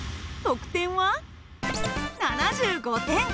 得点は７５点。